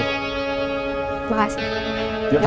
iya pasti sama lo juga